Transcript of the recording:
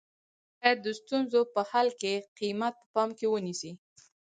دوی باید د ستونزو په حل کې قیمت په پام کې ونیسي.